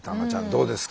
どうですか？